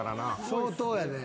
相当やね。